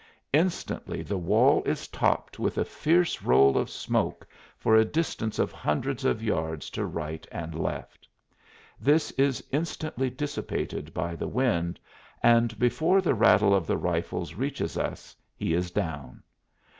Instantly the wall is topped with a fierce roll of smoke for a distance of hundreds of yards to right and left. This is as instantly dissipated by the wind, and before the rattle of the rifles reaches us he is down.